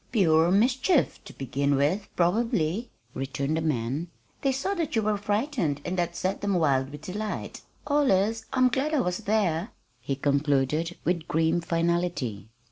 "Pure mischief, to begin with, probably," returned the man; "then they saw that you were frightened, and that set them wild with delight. All is I'm glad I was there," he concluded, with grim finality.